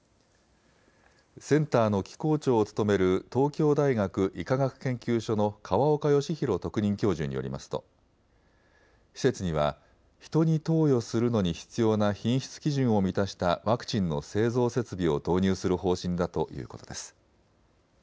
センターの機構長を務める東京大学医科学研究所の河岡義裕特任教授によりますと施設にはヒトに投与するのに必要な品質基準を満たしたワクチンの製造設備を導入する方針だということです。